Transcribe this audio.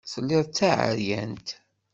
Telliḍ d taɛeryant.